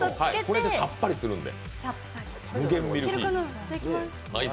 これでさっぱりするんで。